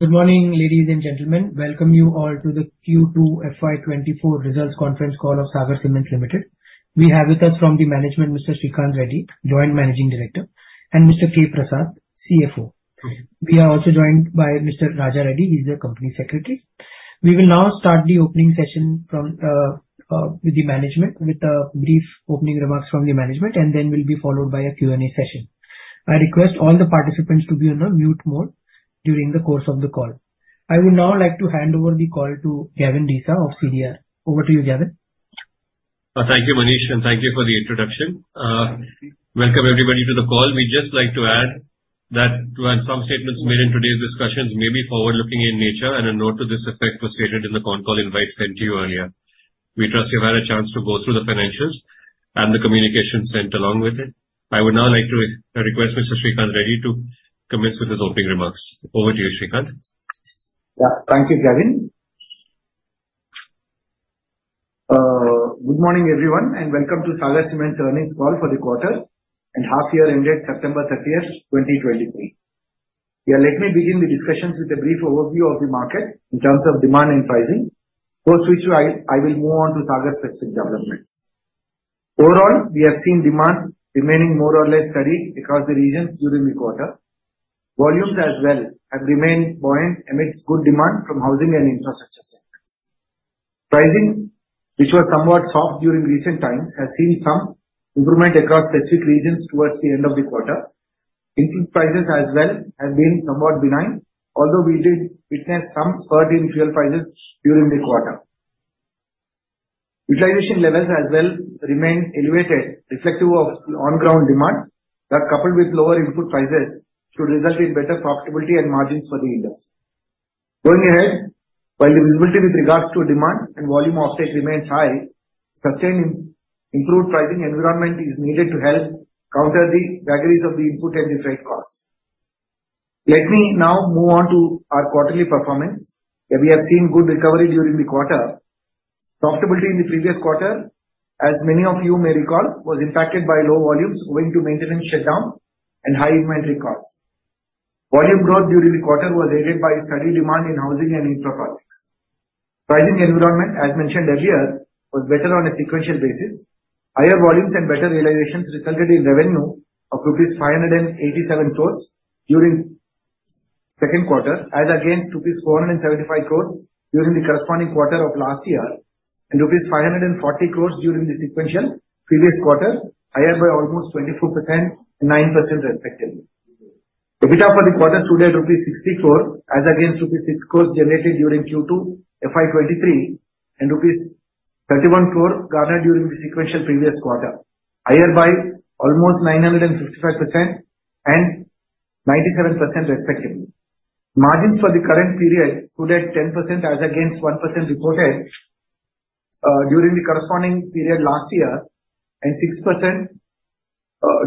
Good morning, ladies and gentlemen. Welcome you all to the Q2 FY 2024 results conference call of Sagar Cements Limited. We have with us from the management, Mr. Sreekanth Reddy, Joint Managing Director, and Mr. K. Prasad, CFO. We are also joined by Mr. Raja Reddy, he's the Company Secretary. We will now start the opening session with the management, with a brief opening remarks from the management, and then will be followed by a Q&A session. I request all the participants to be on a mute mode during the course of the call. I would now like to hand over the call to Gavin Desa of CDR. Over to you, Gavin. Thank you, Manish, and thank you for the introduction. Welcome everybody to the call. We'd just like to add that while some statements made in today's discussions may be forward-looking in nature, and a note to this effect was stated in the conference call invite sent to you earlier. We trust you've had a chance to go through the financials and the communication sent along with it. I would now like to request Mr. Sreekanth Reddy to commence with his opening remarks. Over to you, Sreekanth. Yeah. Thank you, Gavin. Good morning, everyone, and welcome to Sagar Cements earnings call for the quarter and half-year ended September 30th, 2023. Yeah, let me begin the discussions with a brief overview of the market in terms of demand and pricing, post which I will move on to Sagar-specific developments. Overall, we have seen demand remaining more or less steady across the regions during the quarter. Volumes as well have remained buoyant amidst good demand from housing and infrastructure sectors. Pricing, which was somewhat soft during recent times, has seen some improvement across specific regions towards the end of the quarter. Input prices as well have been somewhat benign, although we did witness some spurt in fuel prices during the quarter. Utilization levels as well remained elevated, reflective of on-ground demand. That, coupled with lower input prices, should result in better profitability and margins for the industry. Going ahead, while the visibility with regards to demand and volume offtake remains high, sustained improved pricing environment is needed to help counter the vagaries of the input and the freight costs. Let me now move on to our quarterly performance, where we have seen good recovery during the quarter. Profitability in the previous quarter, as many of you may recall, was impacted by low volumes owing to maintenance shutdown and high inventory costs. Volume growth during the quarter was aided by steady demand in housing and infra projects. Pricing environment, as mentioned earlier, was better on a sequential basis. Higher volumes and better realizations resulted in revenue of rupees 587 crore during second quarter, as against rupees 475 crore during the corresponding quarter of last year, and rupees 540 crore during the sequential previous quarter, higher by almost 24% and 9% respectively. EBITDA for the quarter stood at rupees 60 crore, as against rupees 6 crore generated during Q2 FY 2023 and rupees 31 crore garnered during the sequential previous quarter, higher by almost 955% and 97% respectively. Margins for the current period stood at 10% as against 1% reported during the corresponding period last year and 6%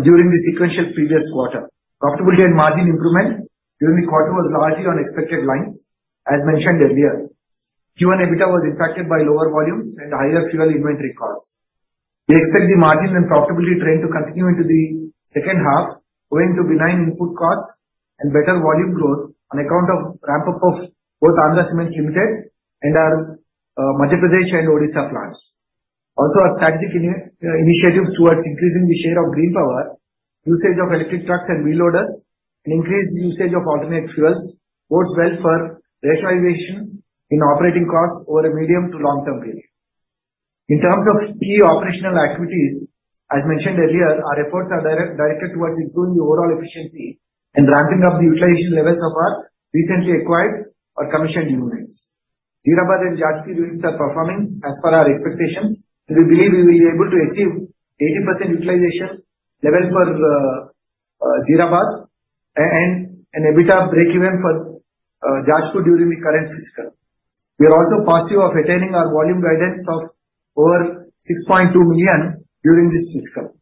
during the sequential previous quarter. Profitability and margin improvement during the quarter was largely on expected lines, as mentioned earlier. Q1 EBITDA was impacted by lower volumes and higher fuel inventory costs. We expect the margin and profitability trend to continue into the second half, owing to benign input costs and better volume growth on account of ramp-up of both Andhra Cements Limited and our Madhya Pradesh and Odisha plants. Also, our strategic initiatives towards increasing the share of green power, usage of electric trucks and wheel loaders, and increased usage of alternate fuels bodes well for rationalization in operating costs over a medium to long term period. In terms of key operational activities, as mentioned earlier, our efforts are directed towards improving the overall efficiency and ramping up the utilization levels of our recently acquired or commissioned units. Jeerabad and Jajpur units are performing as per our expectations, and we believe we will be able to achieve 80% utilization level for Jeerabad and an EBITDA breakeven for Jajpur during the current fiscal. We are also positive of attaining our volume guidance of over 6.2 million during this fiscal.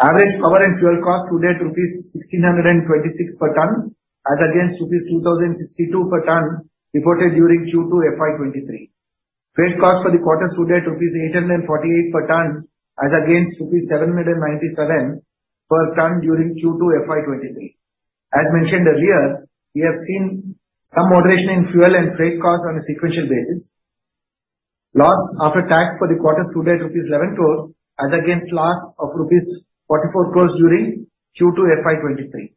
Average power and fuel cost stood at 1,626 rupees per ton as against 2,062 rupees per ton reported during Q2 FY 2023. Freight cost for the quarter stood at 848 rupees per ton as against 797 rupees per ton during Q2 FY 2023. As mentioned earlier, we have seen some moderation in fuel and freight costs on a sequential basis. Loss after tax for the quarter stood at rupees 11 crore as against loss of rupees 44 crore during Q2 FY2023.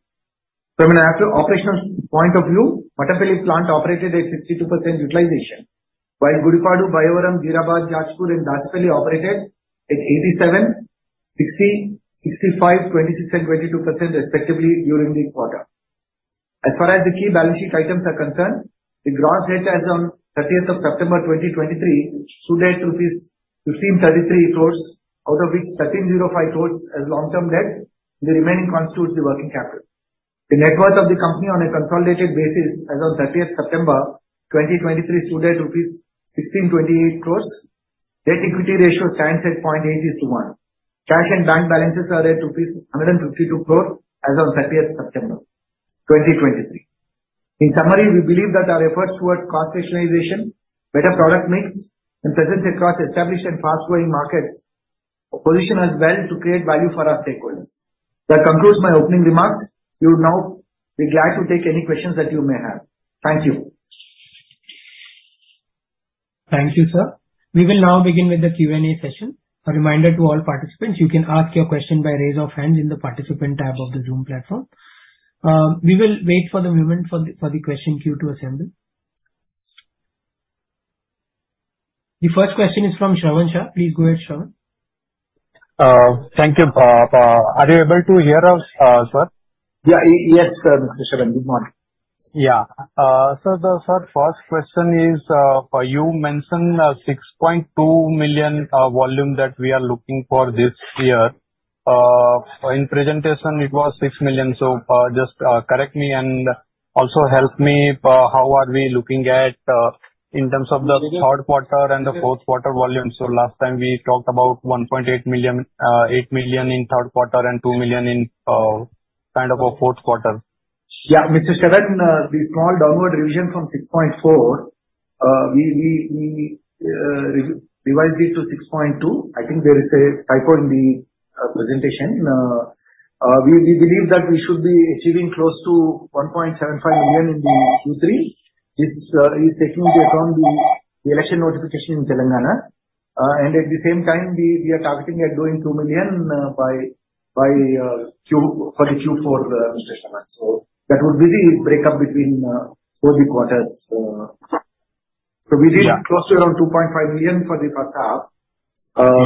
Mattapally plant operated at 62% utilization, while Gudipadu, Bayyavaram, Jeerabad, Jajpur, and Dachepalli operated at 87%, 60%, 65%, 26%, and 22% respectively during the quarter. As far as the key balance sheet items are concerned, the gross debt as on September 30th, 2023, stood at rupees 1,533 crore, out of which 1,305 crore as long-term debt, the remaining constitutes the working capital. The net worth of the company on a consolidated basis as of September 30th, 2023, stood at rupees 1,628 crore. Net equity ratio stands at 0.8:1. Cash and bank balances are at rupees 152 crore as of September 30th, 2023. In summary, we believe that our efforts towards cost rationalization, better product mix, and presence across established and fast-growing markets- position as well to create value for our stakeholders. That concludes my opening remarks. We would now be glad to take any questions that you may have. Thank you. Thank you, sir. We will now begin with the Q&A session. A reminder to all participants, you can ask your question by raise of hands in the participant tab of the Zoom platform. We will wait for the moment for the question queue to assemble. The first question is from Shravan Shah. Please go ahead, Shravan. Thank you. Are you able to hear us, sir? Yeah, yes, Mr. Shravan. Good morning. Yeah. The first question is, you mentioned 6.2 million volume that we are looking for this year. In presentation, it was 6 million. Just correct me and also help me. How are we looking at in terms of the Q3 and the Q4 volume? Last time we talked about 1.8 million in Q3 and 2 million in kind of a Q4. Yeah. Mr. Shravan, the small downward revision from 6.4, we revised it to 6.2. I think there is a typo in the presentation. We believe that we should be achieving close to 1.75 million in the Q3. This is taking into account the election notification in Telangana. At the same time, we are targeting at doing 2 million for the Q4, Mr. Shravan. That would be the breakup between four big quarters. We did- Yeah. Close to around 2.5 million for the first half.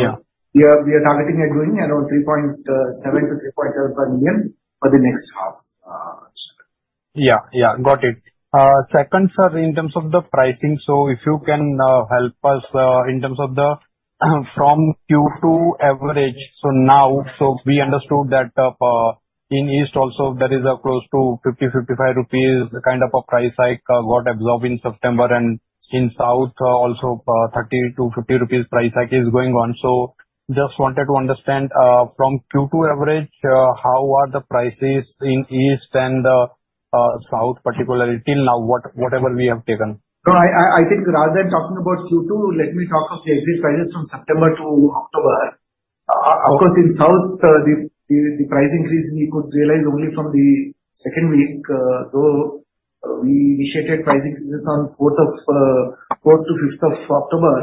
Yeah. We are targeting and doing around 3.7 million-3.75 million for the next half, Mr. Shravan. Yeah, yeah. Got it. Second, sir, in terms of the pricing, if you can help us in terms of the, from Q2 average. Now, so we understood that in East also there is a close to 50-55 rupees, the kind of a price hike got absorbed in September, and in South also, 30-50 rupees price hike is going on. Just wanted to understand from Q2 average, how are the prices in East and South particularly till now, whatever we have taken? No, I think rather than talking about Q4, let me talk of the exit prices from September to October. Of course, in South, the price increase we could realize only from the second week, though we initiated price increases on 4th to 5th of October,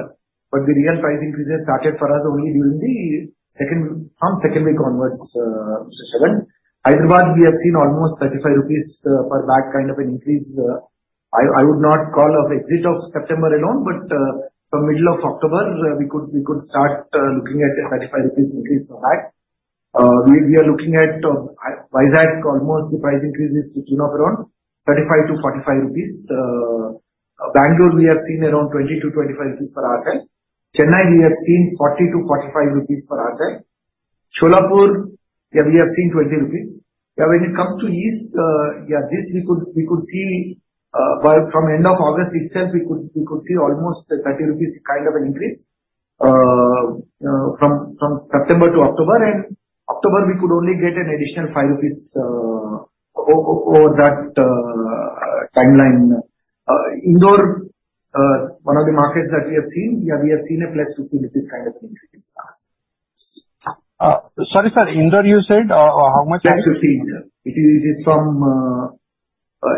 but the real price increases started for us only from second week onwards, Mr. Shravan. Hyderabad, we have seen almost 35 rupees per bag, kind of an increase. I would not call of exit of September alone, but from middle of October, we could start looking at a 35 rupees increase per bag. We are looking at Vizag, almost the price increase is to tune up around 35-45 rupees. Bangalore, we have seen around 20-25 rupees per hour bag. Chennai, we have seen 40-45 rupees per hour bag. Solapur, yeah, we have seen 20 rupees. Yeah, when it comes to East, yeah, this we could see, well, from end of August itself, we could see almost 30 rupees kind of an increase from September to October. October, we could only get an additional 5 rupees over that timeline. Indore, one of the markets that we have seen, yeah, we have seen a +50 kind of increase. Sorry, sir, Indore, you said how much? +50, sir. It is from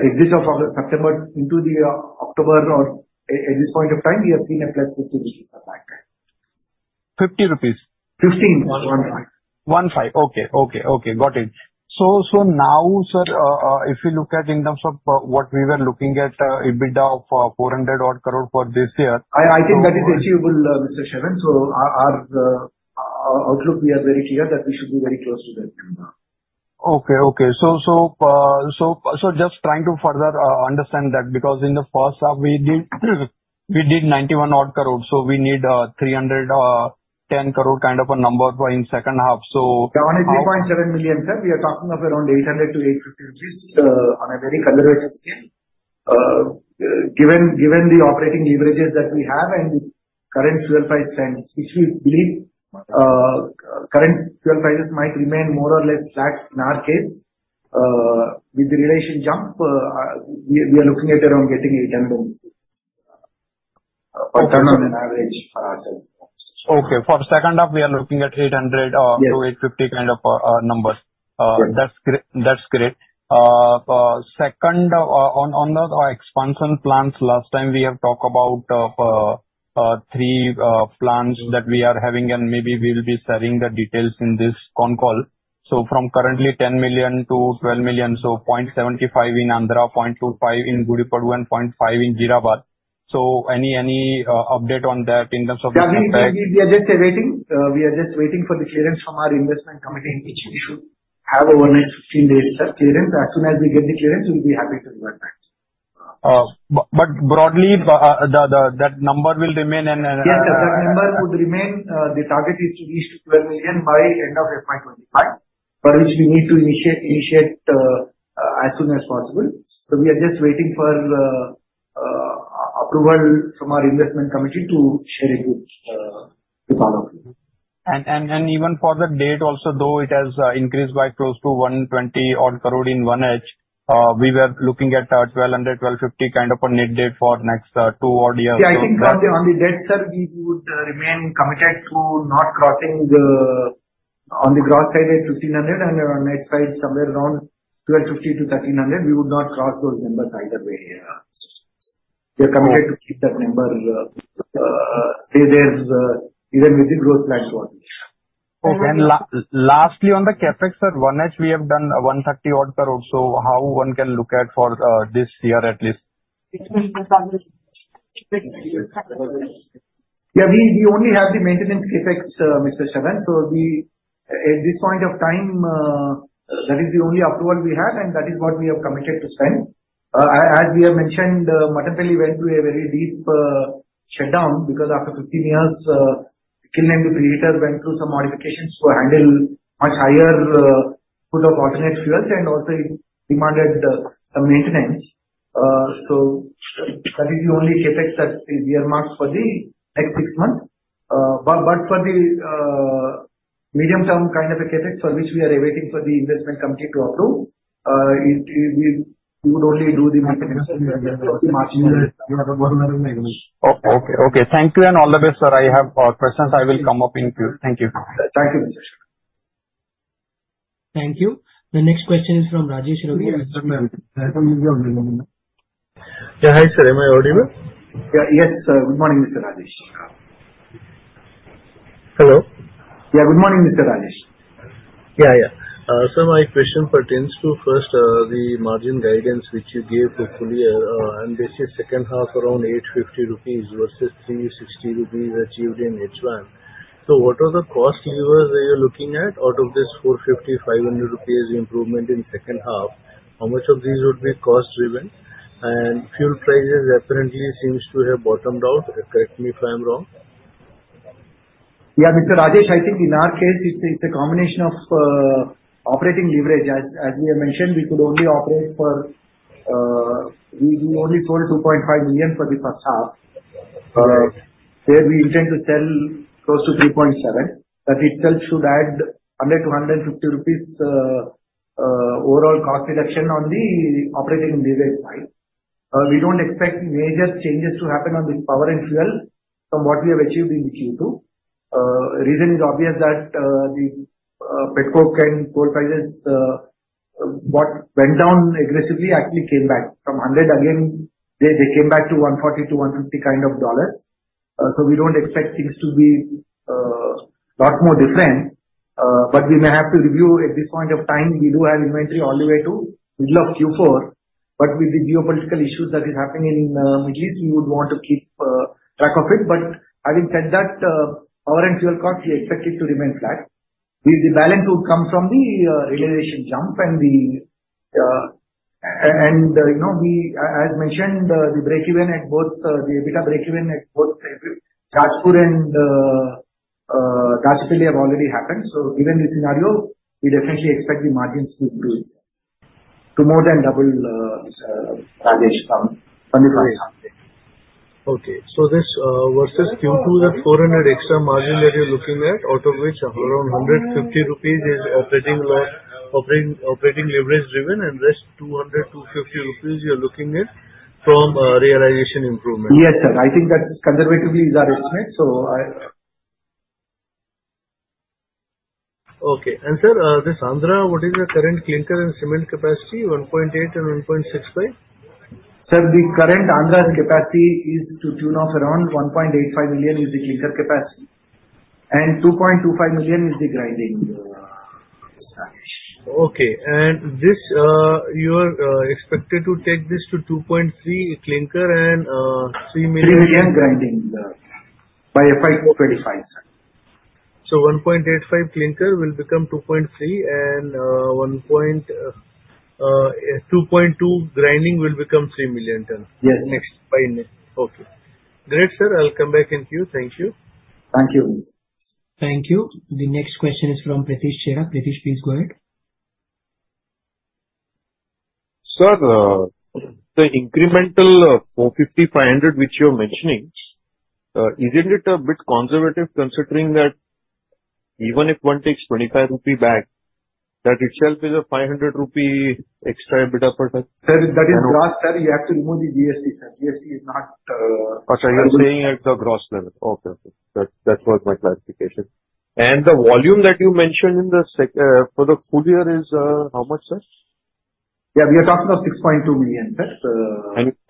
exit of August, September into the October, or at this point of time, we have seen a +50 rupees per bag. 50 rupees? 15, one-five. 15. Okay, okay, okay, got it. Now, sir, if you look at in terms of what we were looking at, EBITDA of 400 odd crore for this year- I think that is achievable, Mr. Shravan. Our outlook, we are very clear that we should be very close to that number. Okay, okay. Just trying to further understand that, because in the first half we did 91 odd crore, so we need 310 crore kind of a number for in second half. Yeah, on a 3.7 million, sir, we are talking of around 800-850 rupees on a very conservative scale. Given the operating leverages that we have and the current fuel price trends, which we believe current fuel prices might remain more or less flat in our case, with the realization jump, we are looking at around getting 800 on an average for ourselves. Okay. For second half, we are looking at 800. Yes. To 850 kind of numbers. Yes. That's great. That's great. Second, on the expansion plans, last time we have talked about three plans that we are having, and maybe we will be sharing the details in this con call. From currently 10 million-12 million, 0.75 in Andhra, 0.25 in Gudipadu, and 0.5 in Jeerabad. Any update on that in terms of the impact? Yeah, we are just awaiting. We are just waiting for the clearance from our Investment Committee, which we should have over next 15 days, that clearance. As soon as we get the clearance, we'll be happy to revert back. Broadly, that number will remain and- Yes, sir, that number would remain. The target is to reach to 12 million by end of FY 2025, for which we need to initiate as soon as possible. We are just waiting for the approval from our Investment Committee to share it with all of you. Even for the debt also, though, it has increased by close to 120-odd crore in H1? We were looking at 1,200-1,250 kind of a net debt for next two-odd years. See, I think on the debt, sir, we would remain committed to not crossing on the gross side at 1,500, and on net side, somewhere around 1,250-1,300. We would not cross those numbers either way. We are committed to keep that number, say, there's even within growth plans for this. Okay. Lastly, on the CapEx, sir, one is we have done 130-odd crore, so how one can look at for this year at least? Yeah, we only have the maintenance CapEx, Mr. Shravan. At this point of time, that is the only upward we have, and that is what we have committed to spend. As we have mentioned, Mattapally went through a very deep shutdown, because after 15 years, the kiln and the preheater went through some modifications to handle much higher pool of alternate fuels and also it demanded some maintenance. That is the only CapEx that is earmarked for the next six months. But for the medium-term kind of a CapEx, for which we are awaiting for the Investment Committee to approve, we would only do the maintenance and then march in the. Oh, okay. Okay, thank you and all the best, sir. I have questions. I will come up in queue. Thank you. Thank you. Thank you. The next question is from Rajesh Ravi. Yeah, hi, sir. Am I audible? Yeah. Yes, sir. Good morning, Mr. Rajesh. Hello? Yeah, good morning, Mr. Rajesh. Yeah, yeah. Sir, my question pertains to first, the margin guidance, which you gave for full year, and this is second half around 850 rupees versus 360 rupees achieved in H1. What are the cost levers that you're looking at out of this 450-500 rupees improvement in second half? How much of these would be cost driven? Fuel prices apparently seems to have bottomed out, correct me if I'm wrong. Yeah, Mr. Rajesh, I think in our case, it's, it's a combination of operating leverage. As, as we have mentioned, we only sold 2.5 million for the first half. Here we intend to sell close to 3.7. That itself should add 100-150 rupees overall cost reduction on the operating leverage side. We don't expect major changes to happen on the power and fuel from what we have achieved in Q2. Reason is obvious that the pet coke and coal prices what went down aggressively, actually came back. From $100 again, they, they came back to $140-$150 kind of dollars. We don't expect things to be lot more different, but we may have to review at this point of time we do have to but we do have inventory all the way to middle of Q4. But with the geopolitical issues that is happening in Middle East, you would want to keep track of it but having said that power and fuel cost we expected to remain flat. With the balance who come from the generation jump and the- and you know we as mentioned the break-even at both the beta break-even at both and have already happened so even this scenario we definitely expect the margins to to more than double, Rajesh. Okay. This versus Q2, the 400 extra margin that you're looking at, out of which around 150 rupees is operating leverage driven, and rest 200-250 rupees you're looking at from realization improvement? Yes, sir. I think that conservatively is our estimate. Okay. Sir, this Andhra, what is the current Clinker and cement capacity, 1.8 and 1.65? Sir, the current Andhra's capacity is to tune of around 1.85 million is the Clinker capacity, and 2.25 million is the grinding, Rajesh. Okay. This you are expected to take this to 2.3 Clinker and 3 million- Million Grinding by FY 2025, sir. 1.85 Clinker will become 2.3, and 2.2 Grinding will become 3 million tons. Yes. Next, by next. Okay. Great, sir. I'll come back in queue. Thank you. Thank you. Thank you. The next question is from Pritesh Chheda. Pritesh, please go ahead. Sir, the incremental 450-500 which you're mentioning, isn't it a bit conservative, considering that even if one takes 25 rupee bag, that itself is a 500 rupee extra EBITDA per ton? Sir, that is gross. Sir, you have to remove the GST, sir. GST is not. Okay, you're saying at the gross level. Okay. Okay. That was my clarification. The volume that you mentioned in the SEC for the full year is how much, sir? Yeah, we are talking of 6.2 million, sir.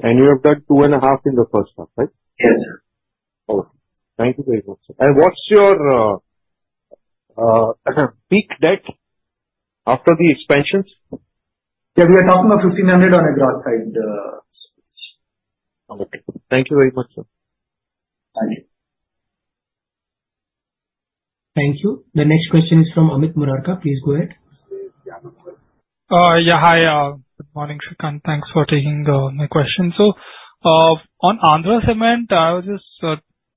You have done 2.5 in the first half, right? Yes. Okay. Thank you very much, sir. What's your peak debt after the expansions? Yeah, we are talking about 1,500 on a gross side, Pritesh. Okay. Thank you very much, sir. Thank you. Thank you. The next question is from Amit Murarka. Please go ahead. Yeah, hi, good morning, Sreekanth. Thanks for taking my question. On Andhra Cements, I was just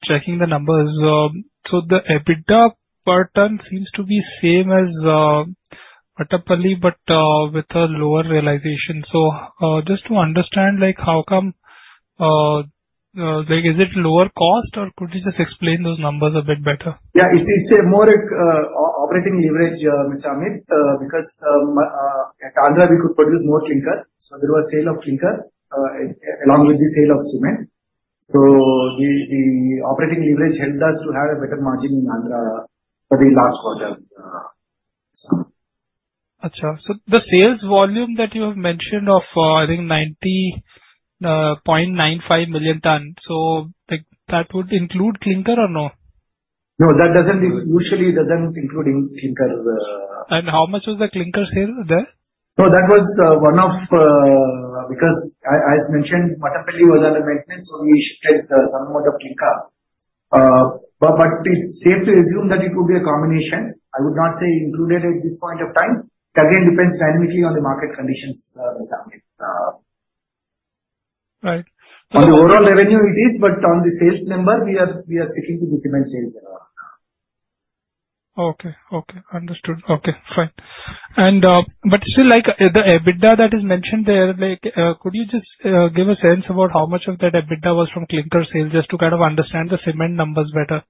checking the numbers. The EBITDA per ton seems to be same as Mattampally, but with a lower realization. Just to understand, like, is it lower cost, or could you just explain those numbers a bit better? Yeah, it's a more operating leverage, Mr. Amit, because at Andhra we could produce more Clinker, so there was sale of Clinker along with the sale of cement. The operating leverage helped us to have a better margin in Andhra for the last quarter. This year's volume that you've mentioned I think of think 90.95 million tons, so, like, that would include Clinker or no? No, that doesn't, usually doesn't include in Clinker. How much was the Clinker sale there? No. Because as mentioned, Mattampally was under maintenance, so we shifted somewhat of Clinker. It's safe to assume that it will be a combination. I would not say included at this point of time. It again depends dynamically on the market conditions, Mr. Amit. Right. On the overall revenue it is, but on the sales number, we are sticking to the cement sales number. Okay. Okay, understood. Okay, fine. But still, like, the EBITDA that is mentioned there, like, could you just give a sense about how much of that EBITDA was from Clinker sales, just to kind of understand the cement numbers better?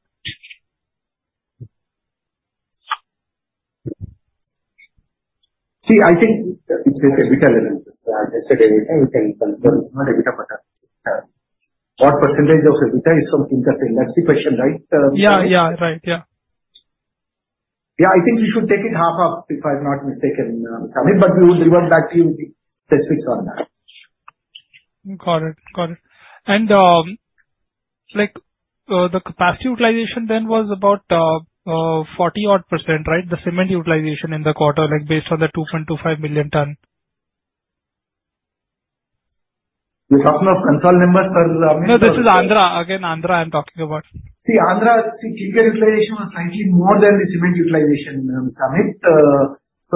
See, I think it's like EBITDA, yesterday, EBITDA, you can confirm it's not EBITDA. What percent of EBITDA is from Clinker sale? That's the question, right? Yeah, yeah. Right. Yeah. Yeah, I think we should take it half, half, if I'm not mistaken, Amit, but we will revert back to you with the specifics on that. Got it. Got it. Like, the capacity utilization then was about 40-odd%, right? The cement utilization in the quarter, like, based on the 2.25 million ton. You're talking of consolidated numbers or standalone? No, this is Andhra. Again, Andhra, I'm talking about. See, Andhra, see, Clinker utilization was slightly more than the cement utilization, Amit.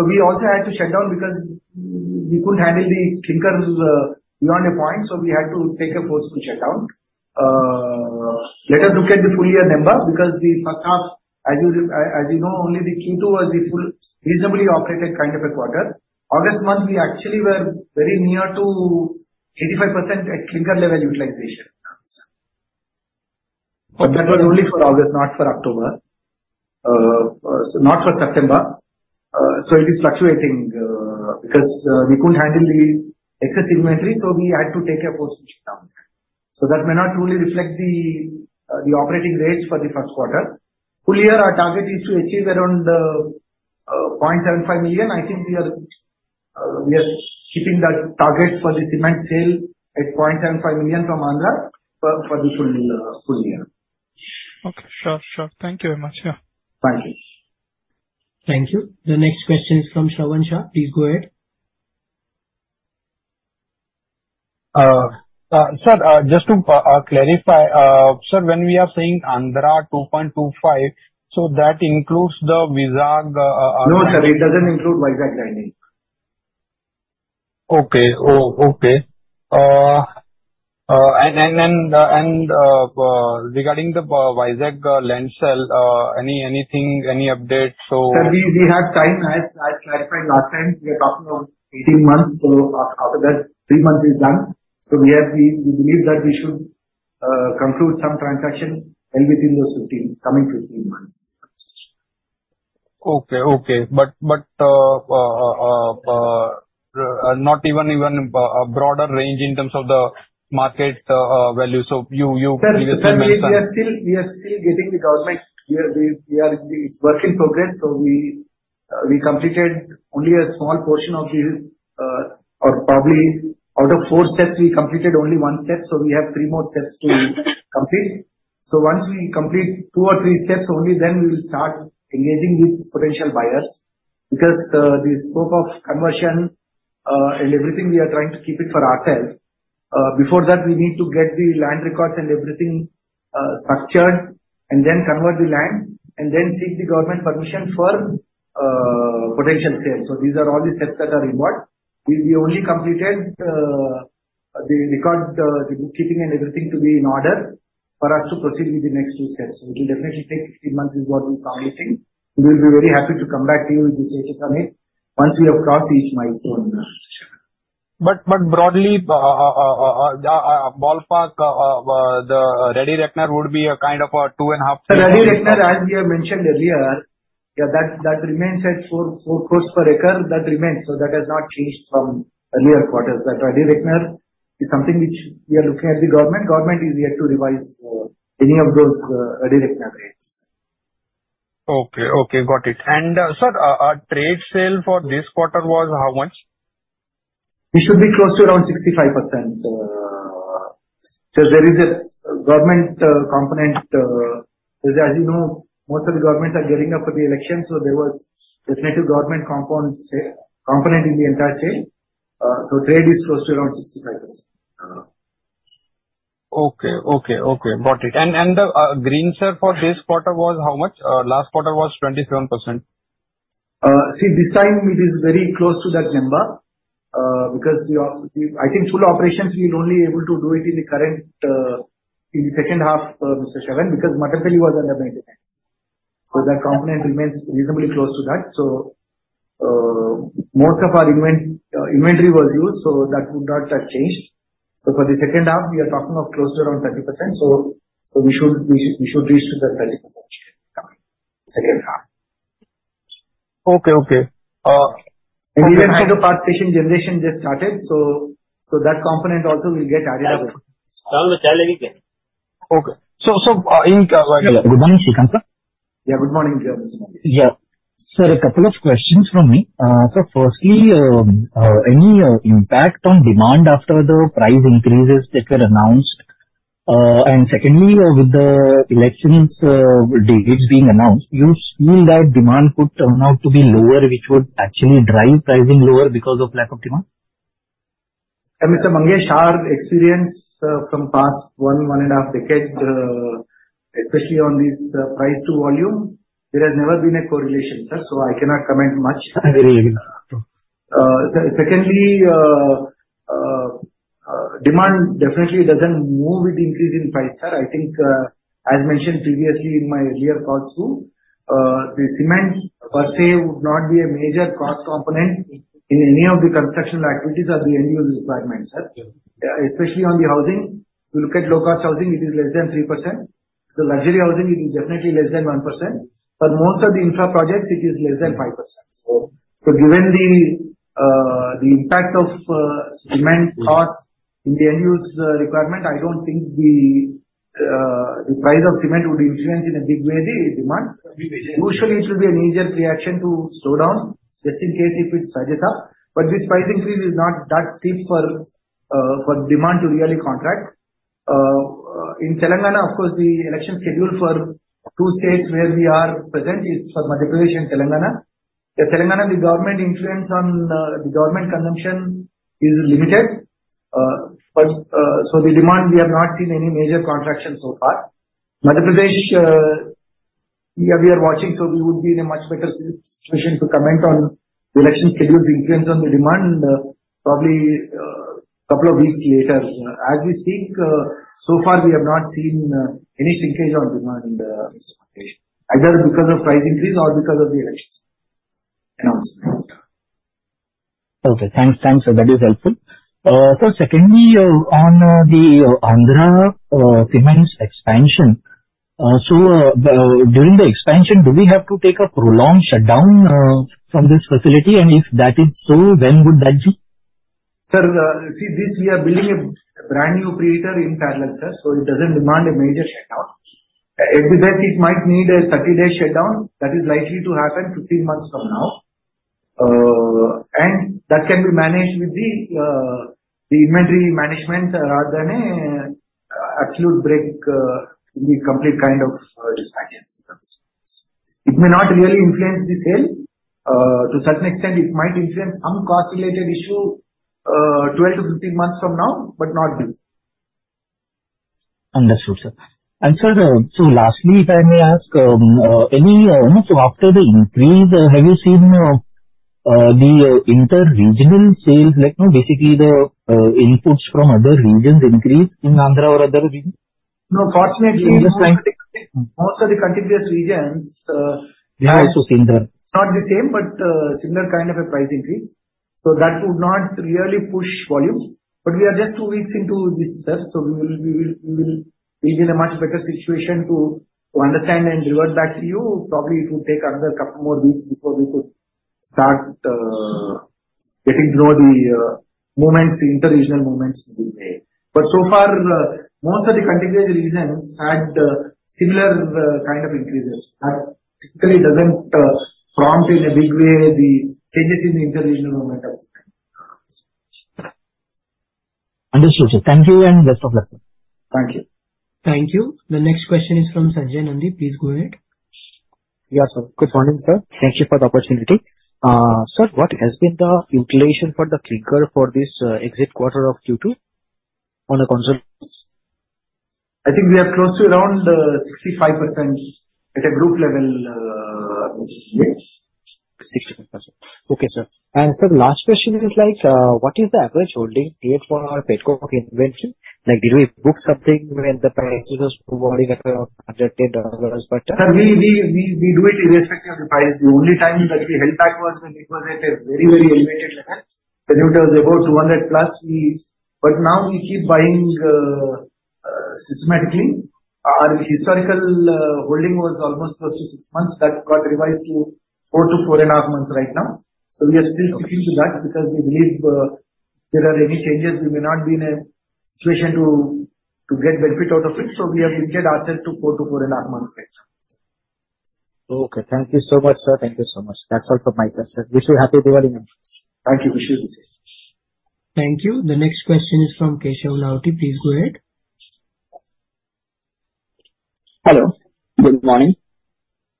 We also had to shut down because we couldn't handle the Clinker beyond a point, so we had to take a forceful shutdown. Let us look at the full year number, because the first half, as you know, only the Q2 was the full, reasonably operated kind of a quarter. August month, we actually were very near to 85% at Clinker level utilization. That was only for August, not for October, not for September. It is fluctuating because we couldn't handle the excess inventory, so we had to take a forceful shutdown. That may not truly reflect the operating rates for the first quarter. Full year, our target is to achieve around 0.75 million. I think we are keeping that target for the cement sale at 0.75 million from Andhra for the full year. Okay. Sure. Sure. Thank you very much. Yeah. Thank you. Thank you. The next question is from Shravan Shah. Please go ahead. Sir, just to clarify, sir, when we are saying Andhra 2.25, so that includes the Vizag? No, sir, it doesn't include Vizag landing. Okay. Oh, okay. Regarding the Vizag land sale, any update? Sir, we have time. As clarified last time, we are talking about 18 months, so after that three months is done. We have the... We believe that we should conclude some transaction well within those 15, coming 15 months. Okay. Okay. Not even a broader range in terms of the market values of you? Sir, sir, we are still getting the government. It's work in progress, so we completed only a small portion of the, or probably out of 4 steps, we completed only 1 step, so we have 3 more steps to complete. Once we complete 2 or 3 steps, only then we will start engaging with potential buyers. Because the scope of conversion and everything, we are trying to keep it for ourself. Before that, we need to get the land records and everything structured, and then convert the land, and then seek the government permission for potential sales. These are all the steps that are involved. We only completed the record, the bookkeeping and everything to be in order for us to proceed with the next two steps, which will definitely take 15 months is what we are targeting. We will be very happy to come back to you with the status on it once we have crossed each milestone. Broadly, the ballpark Ready Reckoner would be a kind of a 2.5- The Ready Reckoner, as we have mentioned earlier, yeah, that remains at 4 crore per acre. That remains, so that has not changed from earlier quarters. That Ready Reckoner is something which we are looking at the government. Government is yet to revise any of those Ready Reckoner rates. Okay. Okay, got it. Sir, our trade sale for this quarter was how much? It should be close to around 65%. There is a government component. As you know, most of the governments are gearing up for the elections, so there was definitely government component in the entire sale. Trade is close to around 65%. Okay. Okay, okay, got it. Green sale for this quarter was how much? Last quarter was 27%. See, this time it is very close to that number because I think full operations, we'll only able to do it in the current in the second half, Mr. Shravan, because Mattampally was under maintenance. That component remains reasonably close to that. Most of our inventory was used, so that would not have changed. For the second half, we are talking of close to around 30%. We should reach to that 30% second half. Okay, okay. Even the first generation just started, so that component also will get added. Good morning, Sreekanth, sir. Yeah, good morning to you, Mangesh. Yeah. Sir, a couple of questions from me. Firstly, any impact on demand after the price increases that were announced? Secondly, with the elections dates being announced, do you feel that demand could turn out to be lower, which would actually drive pricing lower because of lack of demand? Mr. Mangesh, our experience from past 1.5 decade, especially on this price to volume, there has never been a correlation, sir, so I cannot comment much. Very well. Secondly, demand definitely doesn't move with the increase in price, sir. I think, as mentioned previously in my earlier calls too, the cement per se would not be a major cost component in any of the construction activities or the end-user requirements, sir. Okay. Especially on the housing, if you look at low-cost housing, it is less than 3%. Luxury housing, it is definitely less than 1%, but most of the infra projects, it is less than 5%. Given the impact of cement cost- Yes. In the end-use requirement, I don't think the price of cement would influence in a big way the demand. Usually, it will be a major reaction to slow down, just in case if it surges up. This price increase is not that steep for demand to really contract. In Telangana, of course, the election schedule for two states where we are present is for Madhya Pradesh and Telangana. In Telangana, the government influence on the government consumption is limited. The demand, we have not seen any major contraction so far. Madhya Pradesh, we are watching, so we would be in a much better situation to comment on the election schedule's influence on the demand, probably couple of weeks later. As we speak, so far, we have not seen any shrinkage on demand in the Madhya Pradesh, either because of price increase or because of the elections. Okay. Thanks, thanks, sir. That is helpful. Secondly, on the Andhra Cements expansion. During the expansion, do we have to take a prolonged shutdown from this facility? If that is so, when would that be? See, this, we are building a brand new cooler in parallel, so it doesn't demand a major shutdown. At the best, it might need a 30-day shutdown. That is likely to happen 15 months from now. And that can be managed with the inventory management rather than an absolute break in the complete kind of dispatches. It may not really influence the sale. To certain extent, it might influence some cost-related issue 12 months-15 months from now, but not now. Understood, sir. Sir, so lastly, if I may ask, after the increase, have you seen the interregional sales, like, you know, basically the inputs from other regions increase in Andhra or other region? No, fortunately, most of the contiguous regions have. Have also seen that. Not the same, but similar kind of a price increase. That would not really push volumes. We are just two weeks into this, sir, so we will be in a much better situation to understand and revert back to you. Probably it will take another couple more weeks before we could start getting to know the movements, interregional movements in the way. So far, most of the contiguous regions had similar kind of increases. Typically, it doesn't prompt in a big way the changes in the interregional movements. Understood, sir. Thank you and best of luck, sir. Thank you. Thank you. The next question is from Sanjay Nandi. Please go ahead. Yes, sir. Good morning, sir. Thank you for the opportunity. Sir, what has been the utilization for the Clinker for this exit quarter of Q2 on a consolidated basis? I think we are close to around 65% at a group level, yes. 65%. Okay, sir. Sir, last question is like, what is the average holding period for Pet Coke inventory? Like, do we book something when the price is $200 or under $10 per ton? Sir, we do it irrespective of the price. The only time that we held back was when it was at a very, very elevated level, when it was above 200+. But now we keep buying systematically. Our historical holding was almost close to six months. That got revised to four to four and a half months right now. So we are still sticking to that because we believe if there are any changes, we may not be in a situation to get benefit out of it. So we have limited ourselves to 4 months-4.5 months right now. Okay. Thank you so much, sir. Thank you so much. That's all from my side, sir. Wish you a happy Diwali in advance. Thank you. Wish you the same. Thank you. The next question is from Keshav Lahoti. Please go ahead. Hello, good morning.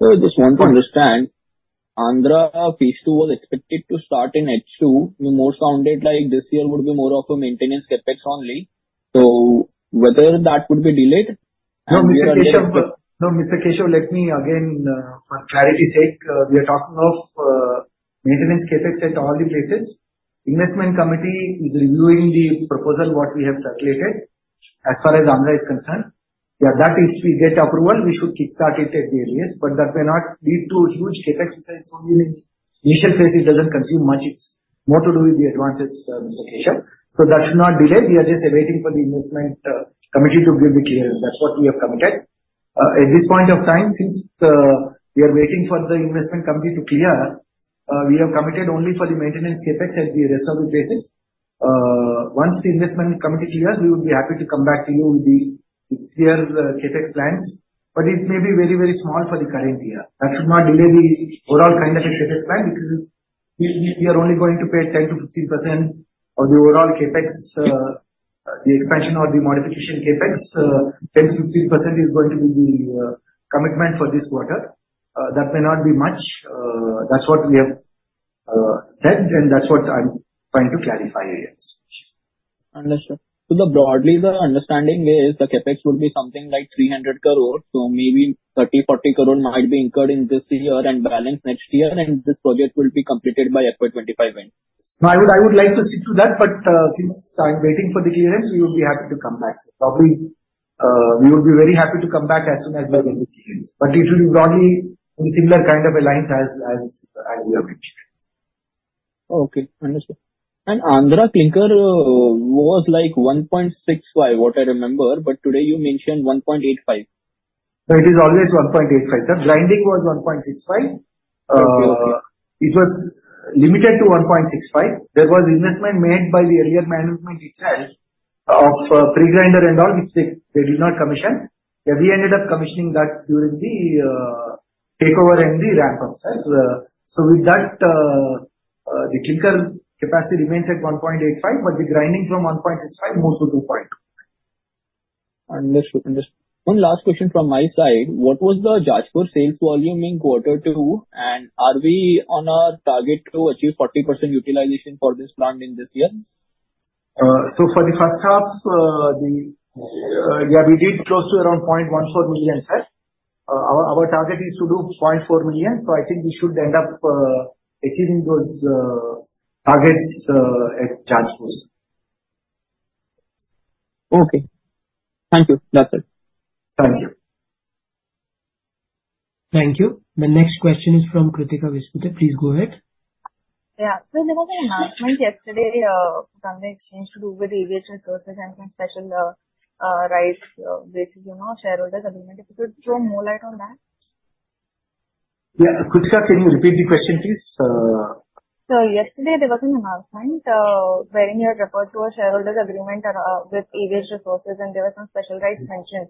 I just want to understand, Andhra phase two was expected to start in H2. You more sounded like this year would be more of a maintenance CapEx only. Whether that would be delayed? No, Mr. Keshav. No, Mr. Keshav, let me again for clarity sake, we are talking of maintenance CapEx at all the places. Investment Committee is reviewing the proposal, what we have circulated. As far as Andhra is concerned, yeah, that is, we get approval, we should kickstart it at the earliest, but that may not lead to huge CapEx, because in initial phase, it doesn't consume much. It's more to do with the advances, Mr. Keshav. That should not delay. We are just waiting for the Investment Committee to give the clearance. That's what we have committed. At this point of time, since we are waiting for the Investment Committee to clear, we have committed only for the maintenance CapEx at the rest of the places. Once the Investment Committee clears, we would be happy to come back to you with the clear CapEx plans, but it may be very, very small for the current year. That should not delay the overall kind of a CapEx plan, because we are only going to pay 10%-15% of the overall CapEx, the expansion or the modification CapEx. So 10%-15% is going to be the commitment for this quarter. That may not be much. That's what we have said, and that's what I'm trying to clarify here. Understood. Broadly, the understanding is the CapEx would be something like 300 crore, so maybe 30 crore-40 crore might be incurred in this year and balance next year, and this project will be completed by FY 2025 end. No, I would like to stick to that, but since I'm waiting for the clearance, we would be happy to come back, sir. Probably we would be very happy to come back as soon as we get the clearance, but it will be broadly a similar kind of alliance as we have mentioned. Okay, understood. Andhra Clinker was like 1.65, what I remember, but today you mentioned 1.85. No, it is always 1.85, sir. Grinding was 1.65. Okay, okay. It was limited to 1.65. There was investment made by the earlier management itself of pre-grinder and all, which they did not commission. Yeah, we ended up commissioning that during the takeover and the ramp ourselves. With that, the Clinker capacity remains at 1.85, but the grinding from 1.65 moves to 2.0. Understood. Understood. One last question from my side. What was the Jajpur sales volume in Q2, and are we on a target to achieve 40% utilization for this plant in this year? For the first half, yeah, we did close to around 0.14 million, sir. Our target is to do 0.4 million, so I think we should end up achieving those targets at Jajpur. Okay. Thank you. That's it. Thank you. Thank you. The next question is from Krutika Vispute. Please go ahead. Yeah. There was an announcement yesterday from the exchange to do with the AvH Resources and some special rights with, you know, shareholder agreement. If you could throw more light on that? Yeah. Krutika, can you repeat the question, please? Yesterday there was an announcement where you had referred to a shareholder's agreement with AvH Resources, and there were some special rights mentioned.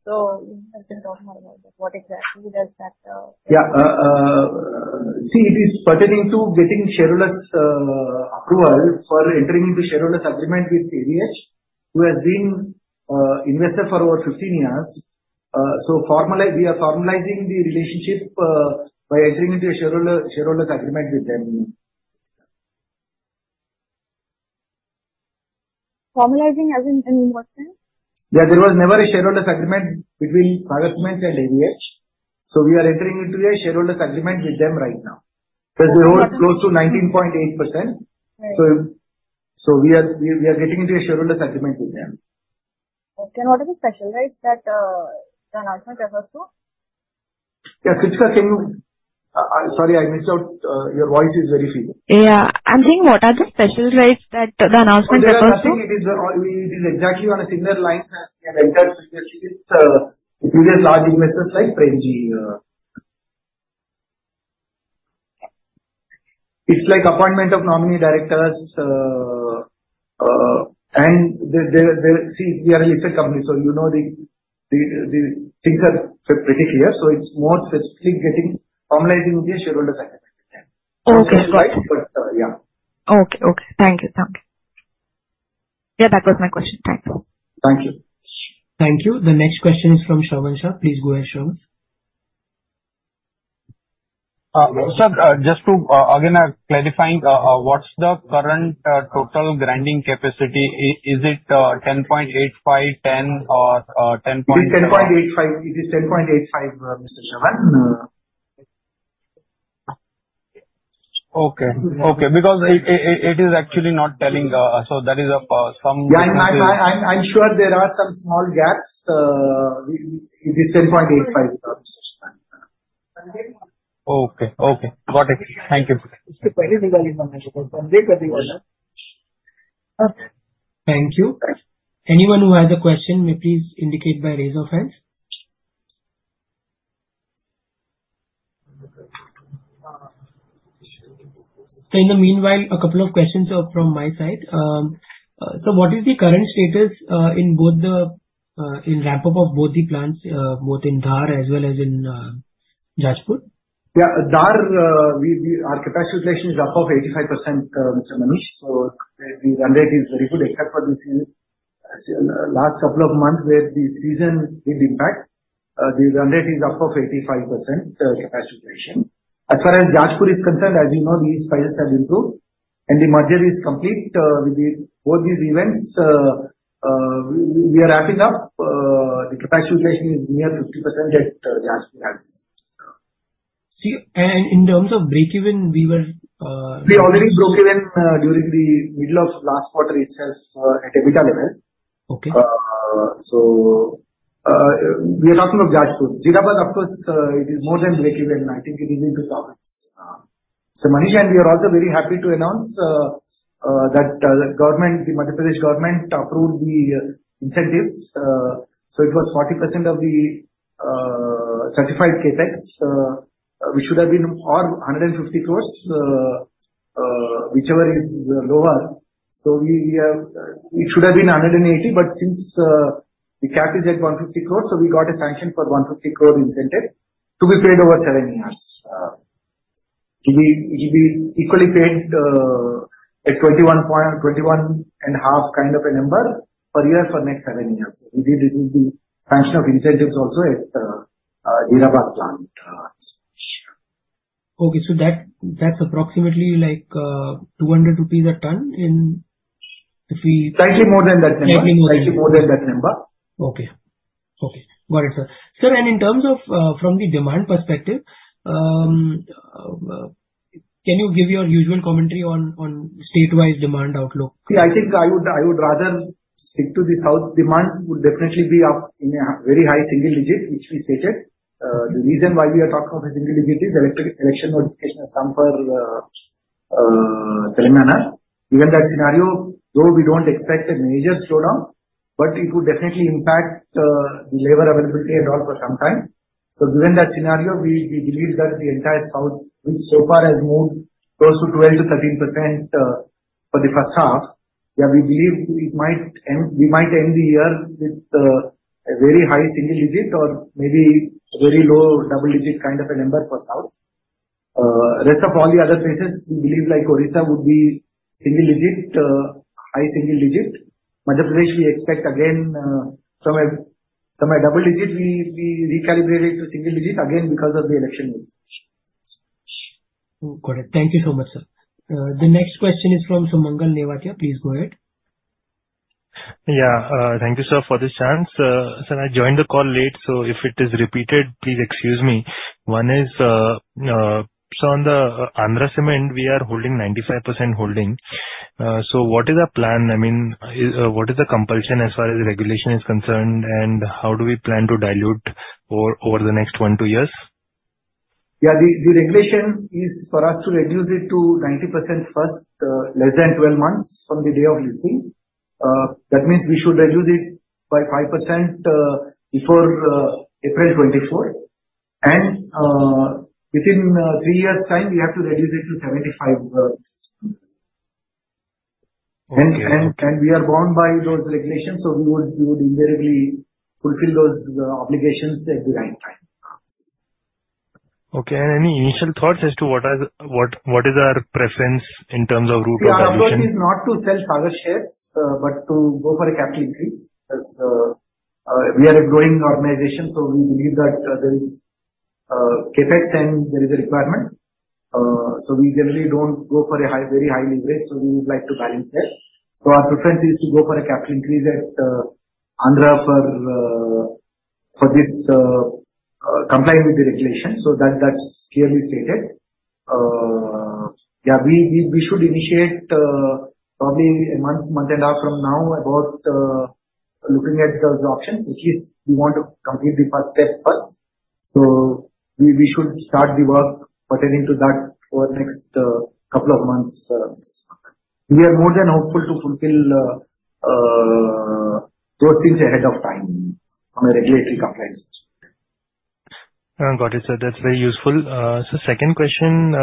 If you can talk more about that, what exactly does that- Yeah. See, it is pertaining to getting shareholders' approval for entering into shareholder agreement with AvH, who has been investor for over 15 years. We are formalizing the relationship by entering into a shareholder agreement with them. Formalizing as in any what sense? Yeah, there was never a shareholders' agreement between Sagar Cements and AvH, so we are entering into a shareholders' agreement with them right now. They hold close to 19.8%. Right. We are getting into a shareholders' agreement with them. Okay, and what are the special rights that the announcement refers to? Yeah, Krutika, can you- sorry, I missed out. Your voice is very feeble. Yeah. I'm saying what are the special rights that the announcement refers to? There are nothing. It is exactly on a similar line as we have entered previously with the previous large investors like Premji. It's like appointment of nominee directors. See, we are a listed company, so you know, the things are pretty clear. It's more specifically getting, formalizing the shareholder agreement with them. Okay, got it. Yeah. Okay, okay. Thank you. Thank you. Yeah, that was my question. Thank you. Thank you. Thank you. The next question is from Shravan Shah. Please go ahead, Shravan. Sir, just to again clarifying, what's the current total grinding capacity? Is it 10.85, 10 or 10- It is 10.85. It is 10.85, Mr. Shravansh. Okay. Okay, because it is actually not telling, so that is some. Yeah, I'm sure there are some small gaps. It is 10.85. Okay. Okay, got it. Thank you. Thank you. Anyone who has a question may please indicate by raise of hands. In the meanwhile, a couple of questions from my side. What is the current status in ramp-up of both the plants, both in Dhar as well as in Jajpur? Yeah. Dhar, our capacity utilization is up of 85%, Mr. Manish. The run rate is very good, except for this year, last couple of months, where the season did impact. The run rate is up of 85% capacity utilization. As far as Jajpur is concerned, as you know, these files have improved and the merger is complete. With the both these events, we are ramping up. The capacity utilization is near 50% at Jajpur as is. See, and in terms of break-even, we were. We already broke even during the middle of last quarter itself at EBITDA level. Okay. We are talking of Jajpur. Jeerabad, of course, it is more than breakeven. I think it is into profits. Manish, and we are also very happy to announce that the government, the Madhya Pradesh government approved the incentives. It was 40% of the certified CapEx, which should have been or 150 crore, whichever is lower. It should have been 180, but since the cap is at 150 crore, so we got a sanction for 150 crore incentive to be paid over 7 years. It will be equally paid at 21.5 kind of a number per year for next 7 years. We did receive the sanction of incentives also at Jeerabad plant. Okay, so that's approximately like 200 rupees a ton. Slightly more than that number. Slightly more. Slightly more than that number. Okay. Okay, got it, sir. Sir, and in terms of from the demand perspective, can you give your usual commentary on state-wise demand outlook? See, I think I would rather stick to the South. Demand would definitely be up in a very high single digit, which we stated. The reason why we are talking of a single digit is election notification has come for Telangana. Given that scenario, though we don't expect a major slowdown, but it would definitely impact the labor availability and all for some time. Given that scenario, we believe that the entire South, which so far has moved close to 12%-13% for the first half, yeah, we believe it might end, we might end the year with a very high single digit or maybe a very low double digit kind of a number for South. Rest of all the other places, we believe like Odisha would be single digit, high single digit. Madhya Pradesh, we expect again from a double digit, we recalibrate it to single digit again because of the election vote. Got it. Thank you so much, sir. The next question is from Sumangal Nevatia. Please go ahead. Yeah, thank you, sir, for this chance. Sir, I joined the call late, so if it is repeated, please excuse me. One is, on the Andhra Cements, we are holding 95% holding. What is our plan? I mean, what is the compulsion as far as the regulation is concerned, and how do we plan to dilute over the next 1 years-2 years? Yeah, the regulation is for us to reduce it to 90% first, less than 12 months from the day of listing. That means we should reduce it by 5% before April 2024. Within three years' time, we have to reduce it to 75. Okay. We are bound by those regulations, so we would invariably fulfill those obligations at the right time. Okay, any initial thoughts as to what is our preference in terms of route of obligation? See, our approach is not to sell Sagar shares, but to go for a capital increase, because we are a growing organization, so we believe that there is CapEx and there is a requirement. We generally don't go for a high, very high leverage, so we would like to balance that. Our preference is to go for a capital increase at Andhra for complying with the regulation. That's clearly stated. Yeah, we should initiate probably a month, month and a half from now about looking at those options, which is we want to complete the first step first. We should start the work pertaining to that over the next couple of months. We are more than hopeful to fulfill those things ahead of time on a regulatory compliance. Got it, sir. That's very useful. Second question,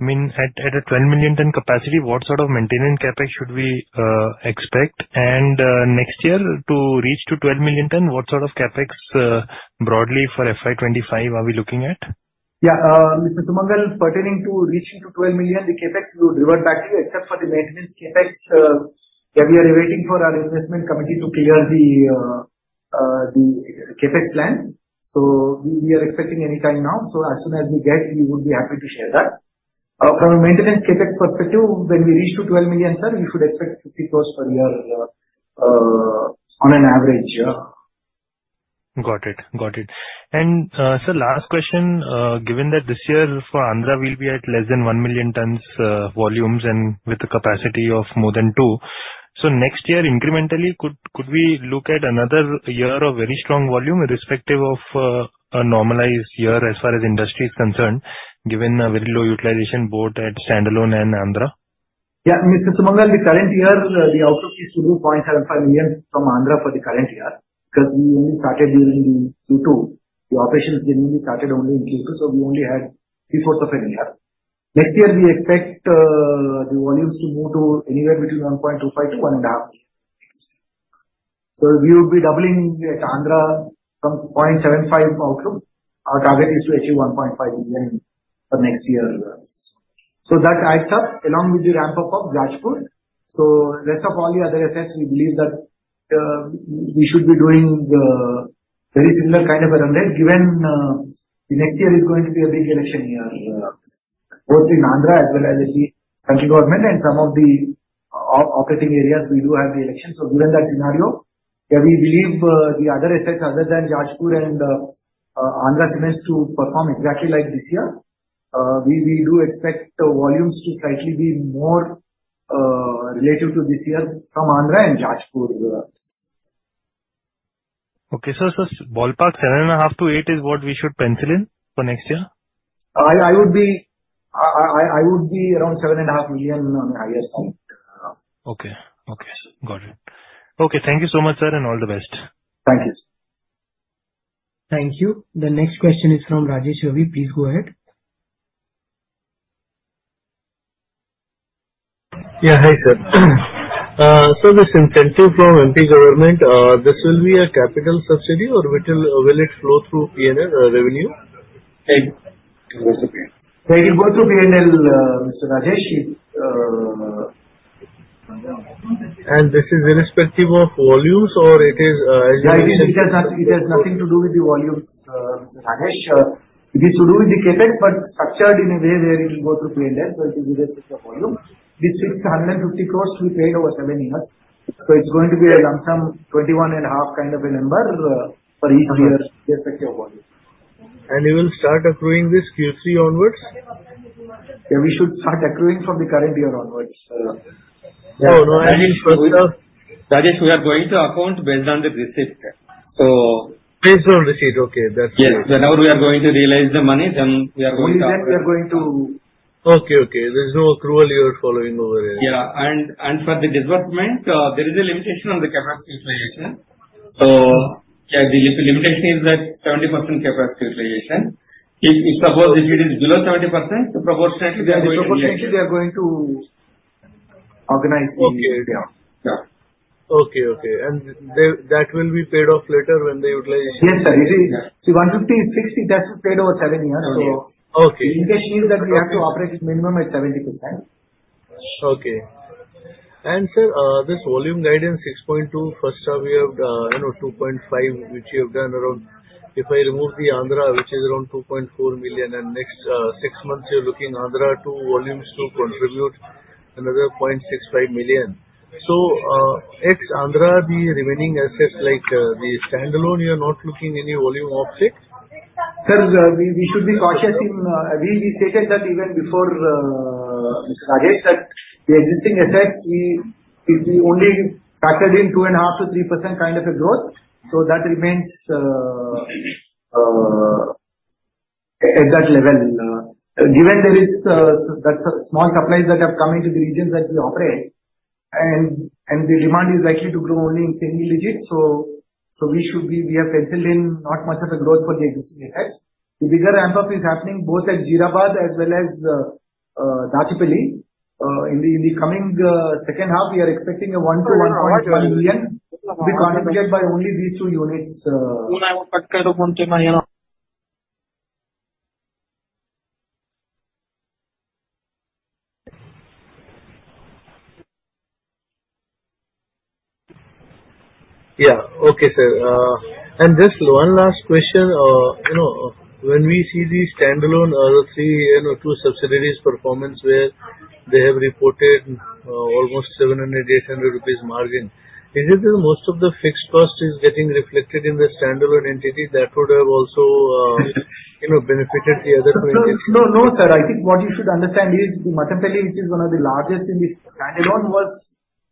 I mean, at a 12 million ton capacity, what sort of maintenance CapEx should we expect? And next year to reach to 12 million ton, what sort of CapEx broadly for FY 2025 are we looking at? Yeah, Mr. Sumangal, pertaining to reaching to 12 million, the CapEx, we would revert back to you, except for the maintenance CapEx. Yeah, we are waiting for our Investment Committee to clear the CapEx plan. We are expecting anytime now. As soon as we get, we would be happy to share that. From a maintenance CapEx perspective, when we reach to 12 million, sir, you should expect 50 crore per year on an average year. Got it. Got it. Sir, last question, given that this year for Andhra, we'll be at less than 1 million tons volumes and with a capacity of more than 2, so next year, incrementally, could we look at another year of very strong volume, irrespective of a normalized year as far as industry is concerned, given a very low utilization both at standalone and Andhra? Yeah, Mr. Sumangal, the current year, the outlook is to do 0.75 million from Andhra for the current year, because we only started during the Q2. The operations generally started only in Q2, so we only had 3/4 of a year. Next year, we expect the volumes to move to anywhere between 1.25-1.5. We would be doubling the Andhra from 0.75 outlook. Our target is to achieve 1.5 million for next year. That adds up along with the ramp-up of Jajpur. Rest of all the other assets, we believe that we should be doing very similar kind of a run rate, given the next year is going to be a big election year. Both in Andhra as well as in the central government, and some of the operating areas, we do have the elections. Given that scenario, yeah, we believe the other assets other than Jajpur and Andhra Cements to perform exactly like this year. We do expect the volumes to slightly be more relative to this year from Andhra and Jajpur. Okay, sir. Ballpark 7.5-8 is what we should pencil in for next year? I would be around 7.5 million on my estimate. Okay. Okay, sir. Got it. Okay, thank you so much, sir, and all the best. Thank you, sir. Thank you. The next question is from Rajesh Ravi. Please go ahead. Yeah, hi, sir. This incentive from M.P. government, this will be a capital subsidy, or will it flow through P&L revenue? It will go through P&L, Mr. Rajesh. This is irrespective of volumes, or it is? Yeah, it has nothing to do with the volumes, Mr. Rajesh. This will do with the CapEx, but structured in a way where it will go through P&L, so it is irrespective of volume. This fixed INR 150 crore will be paid over seven years, so it's going to be a lump sum, 21.5 kind of a number. For each year. Irrespective of volume. You will start accruing this Q3 onward? Yeah, we should start accruing from the current year onwards. So no annual without- Rajesh, we are going to account based on the receipt. Based on receipt, okay, that's clear. Yes. Whenever we are going to realize the money, then we are going to- Only that we are going to. Okay, okay. There's no accrual you are following over here. Yeah, and for the disbursement, there is a limitation on the capacity utilization. Yeah, the limitation is that 70% capacity utilization. If suppose if it is below 70%, proportionately they are- Proportionately, they are going to organize the usage. Okay. Yeah. Yeah. Okay, okay. That will be paid off later when they utilize? Yes, sir. It is- see, 150, INR 60, that's paid over 7 years. Okay. In case she is that we have to operate it minimum at 70%. Okay. Sir, this volume guidance, 6.2. First half, we have, you know, 2.5, which you have done around. If I remove the Andhra, which is around 2.4 million, and next 6 months, you're looking Andhra to volumes to contribute another 0.65 million, ex-Andhra, the remaining assets, like the standalone, you're not looking any volume uptake? Sir, we should be cautious in- we stated that even before, Mr. Rajesh, that the existing assets, we only factored in 2.5%-3% kind of a growth, so that remains at that level. Given there is that small supplies that are coming to the regions that we operate, and the demand is likely to grow only in single digits, we have penciled in not much of a growth for the existing assets. The bigger ramp-up is happening both at Jeerabad as well as Rachpally. In the coming second half, we are expecting 1 million-1.5 million to be contributed by only these two units. Yeah. Okay, sir. Just one last question. You know, when we see the standalone three, you know, two subsidiaries performance, where they have reported almost 700-800 rupees margin, is it that most of the fixed cost is getting reflected in the standalone entity that would have also, you know, benefited the other way? No, no, sir. I think what you should understand is the Mattapally, which is one of the largest in the standalone, was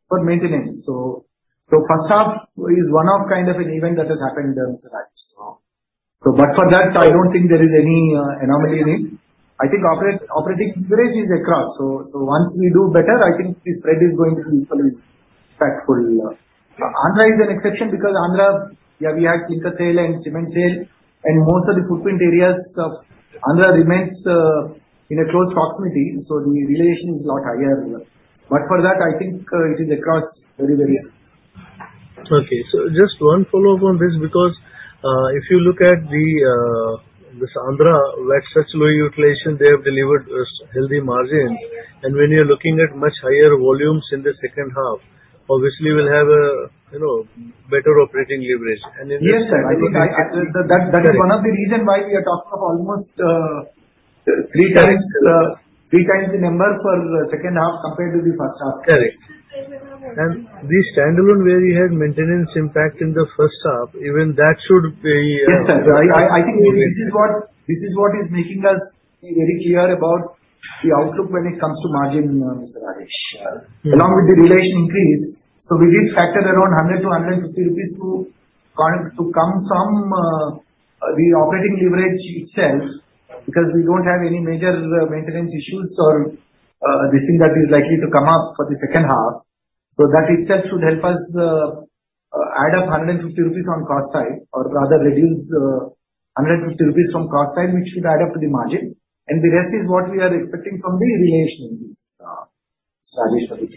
for maintenance. First half is one-off kind of an event that has happened there, Mr. Rajesh. But for that, I don't think there is any anomaly in it. I think operating leverage is across. Once we do better, I think the spread is going to be equally impactful, yeah. Andhra is an exception because Andhra, yeah, we had Clinker sale and cement sale, and most of the footprint areas of Andhra remains in a close proximity, so the realization is lot higher. But for that, I think it is across various. Just one follow-up on this because if you look at this Andhra, where such low utilization, they have delivered healthy margins, and when you're looking at much higher volumes in the second half, obviously you will have a, you know, better operating leverage. In this Yes, sir. That is one of the reason why we are talking of almost 3x the number for second half compared to the first half. Correct. The standalone, where you had maintenance impact in the first half, even that should be. Yes, sir. I think this is what is making us be very clear about the outlook when it comes to margin, Mr. Rajesh. Yeah. Along with the realization increase, we did factor around 100-150 rupees to come from the operating leverage itself because we don't have any major maintenance issues or this thing that is likely to come up for the second half. That itself should help us add up 150 rupees on cost side, or rather reduce 150 rupees from cost side, which should add up to the margin, and the rest is what we are expecting from the realization increase, Rajesh.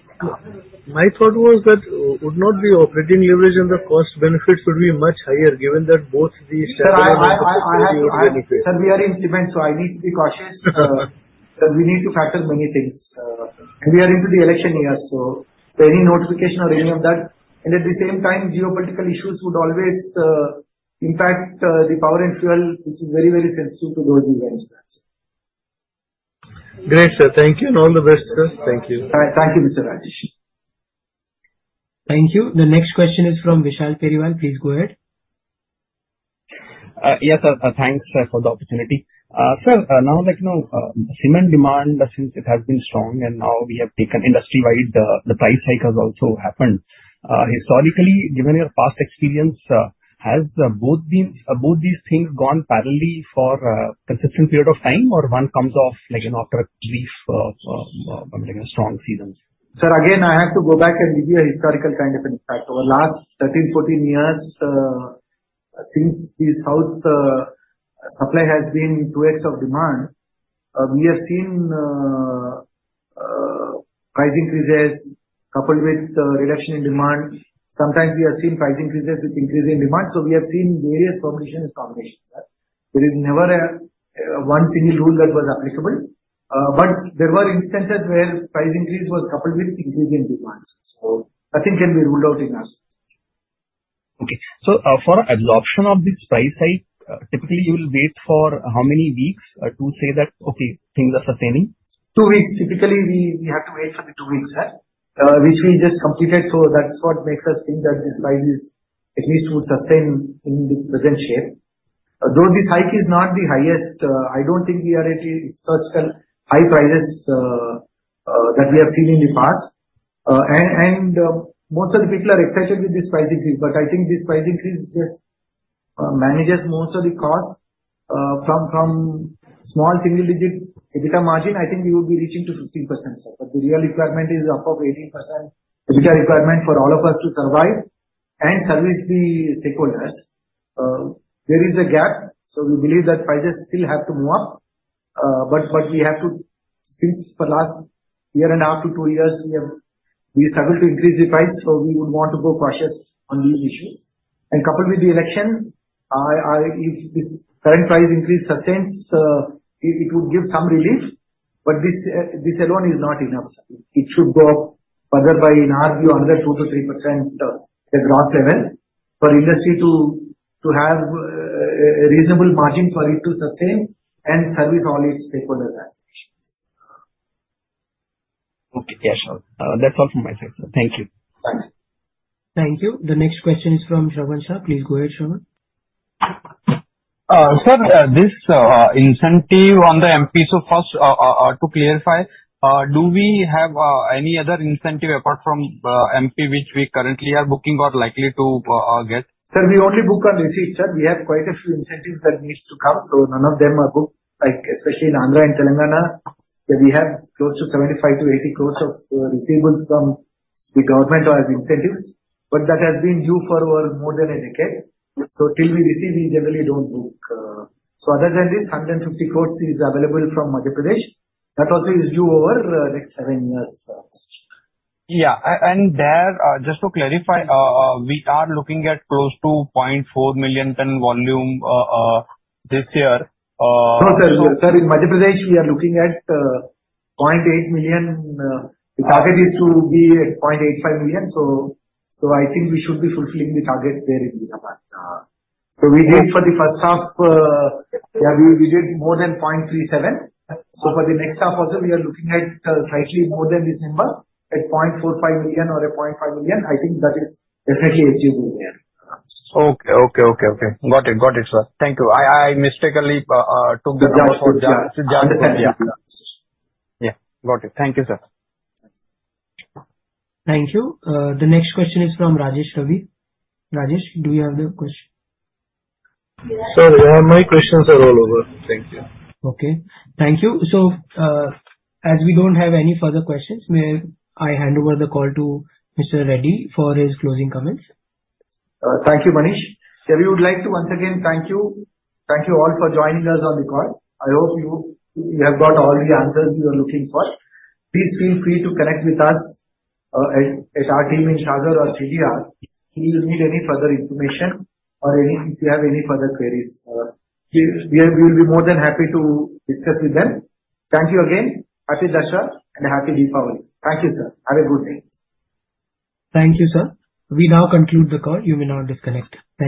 My thought was that would not the operating leverage and the cost benefit should be much higher, given that both the standalone. Sir, we are in cement, so I need to be cautious because we need to factor many things, and we are into the election year, so any notification or any of that, and at the same time, geopolitical issues would always have. In fact, the power and fuel, which is very, very sensitive to those events. Great, sir. Thank you, and all the best, sir. Thank you. All right. Thank you, Mr. Rajesh. Thank you. The next question is from Vishal Periwal. Please go ahead. Yes, sir. Thanks, sir, for the opportunity. Sir, now that, you know, cement demand, since it has been strong and now we have taken industry-wide, the price hike has also happened. Historically, given your past experience, has both these things gone parallelly for consistent period of time, or one comes off, like, you know, after a brief something strong seasons? Sir, again, I have to go back and give you a historical kind of an impact. Over last 13, 14 years, since the South supply has been 2x of demand, we have seen price increases coupled with reduction in demand. Sometimes we have seen price increases with increase in demand, so we have seen various permutations and combinations. There is never a one single rule that was applicable. But there were instances where price increase was coupled with increase in demand, so nothing can be ruled out in us. Okay. For absorption of this price hike, typically you will wait for how many weeks to say that, okay, things are sustaining? Two weeks. Typically, we have to wait for the two weeks, sir, which we just completed, so that's what makes us think that this price at least would sustain in this present year. Though this hike is not the highest, I don't think we are at such high prices that we have seen in the past. Most of the people are excited with this price increase, but I think this price increase just manages most of the cost from small single-digit EBITDA margin, I think we will be reaching to 15%, sir. The real requirement is above 18% EBITDA requirement for all of us to survive and service the stakeholders. There is a gap, so we believe that prices still have to move up. But we have to- Since the last 1.5 years-2 years, we struggled to increase the price, so we would want to go cautious on these issues. Coupled with the election, if this current price increase sustains, it would give some relief, but this alone is not enough. It should go up further, by in our view, another 2%-3% at large level, for industry to have a reasonable margin for it to sustain and service all its stakeholders' aspirations. Okay. Yeah, sure. That's all from my side, sir. Thank you. Thanks. Thank you. The next question is from Shravan Shah. Please go ahead, Shravan. Sir, this incentive on the M.P., so first to clarify, do we have any other incentive apart from M.P., which we currently are booking or likely to get? Sir, we only book on receipt, sir. We have quite a few incentives that needs to come, so none of them are booked, like especially in Andhra and Telangana, where we have close to 75 crore-80 crore of receivables from the government or as incentives, but that has been due for over more than a decade. Till we receive, we generally don't book. Other than this, 150 crore is available from Madhya Pradesh. That also is due over next 7 years. Yeah. There, just to clarify, we are looking at close to 0.4 million ton volume this year. No, sir. Sir, in Madhya Pradesh, we are looking at 0.8 million. The target is to be at 0.85 million. I think we should be fulfilling the target there in Madhya Pradesh. We did for the first half, yeah, we did more than 0.37. For the next half also, we are looking at slightly more than this number, at 0.45 million or 0.5 million. I think that is definitely achievable, yeah. Okay. Got it. Got it, sir. Thank you. I, I mistakenly, uh, uh, took the number for- Just, yeah. Yeah. Got it. Thank you, sir. Thank you. The next question is from Rajesh Ravi. Rajesh, do you have a question? Sir, my questions are all over. Thank you. Okay. Thank you. As we don't have any further questions, may I hand over the call to Mr. Reddy for his closing comments? Thank you, Manish. We would like to once again thank you, thank you all for joining us on the call. I hope you have got all the answers you are looking for. Please feel free to connect with us at our team in Sagar or CDR if you need any further information or if you have any further queries. We will be more than happy to discuss with them. Thank you again. Happy Dussehra and happy Diwali. Thank you, sir. Have a good day. Thank you, sir. We now conclude the call. You may now disconnect. Thank you.